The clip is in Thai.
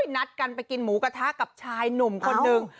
นัดกันไปกินหมูกระทะกับชายหนุ่มคนนึง